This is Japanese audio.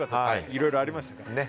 いろいろありましたからね。